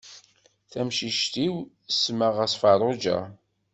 Tamcict-iw semmaɣ-as Farruǧa.